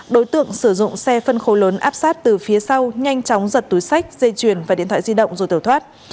đối tượng sử dụng xe phân khối lớn áp sát từ phía sau nhanh chóng giật túi sách dây chuyền và điện thoại di động rồi tẩu thoát